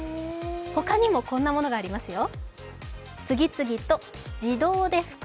他にも、こんなものがありますよ。